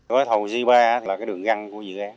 gói thầu c ba là đường găng của dự án